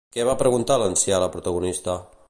Què va preguntar l'ancià a la protagonista?